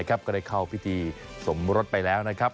ก็ได้เข้าพิธีสมรสไปแล้วนะครับ